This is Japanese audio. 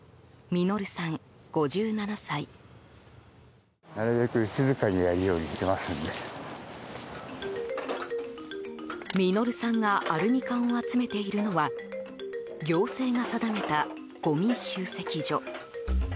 ミノルさんがアルミ缶を集めているのは行政が定めた、ごみ集積所。